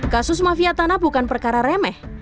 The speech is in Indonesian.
kasus mafia tanah bukan perkara remeh